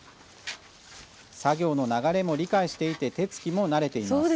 作業の流れも理解していて手つきも慣れています。